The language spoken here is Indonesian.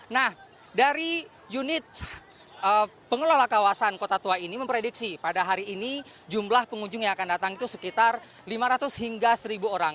nah dari unit pengelola kawasan kota tua ini memprediksi pada hari ini jumlah pengunjung yang akan datang itu sekitar lima ratus hingga seribu orang